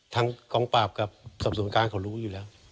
ทางกองปราบกับสอบสวนการเขารู้อยู่แล้ว